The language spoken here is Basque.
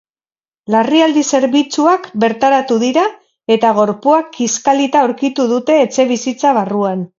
Larrialdi zerbitzuak bertaratu dira, eta gorpua kiskalita aurkitu dute etxebizitza barruan.